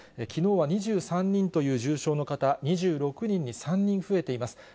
きのうは２３人という重症の方、２６人に、３人増えています。